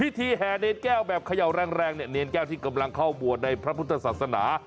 แห่เนรแก้วแบบเขย่าแรงเนี่ยเนรแก้วที่กำลังเข้าบวชในพระพุทธศาสนา